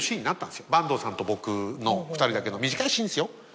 板東さんと僕の２人だけの短いシーンですよ。